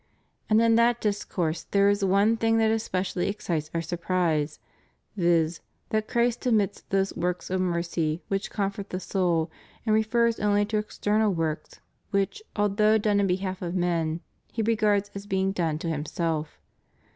And in that dis course there is one thing that especially excites our sur prise, viz. : that Christ omits those works of mercy which comfort the soul and refers only to external works which, although done in behalf of men, He regards as being done to Himself.